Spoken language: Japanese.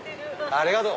ありがとう！